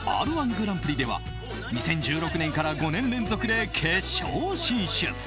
「Ｒ‐１ぐらんぷり」では２０１６年から５年連続で決勝進出。